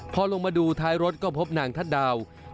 พอลงมาดูท้ายรถก็พบนางทัศน์ดาว